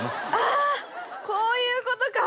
こういうことか！